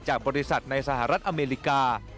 บริษัทในสหรัฐอเมริกา